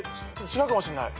違うかもしんない。